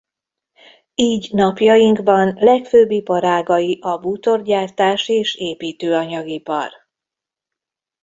Így napjainkban legfőbb iparágai a bútorgyártás és építőanyag-ipar.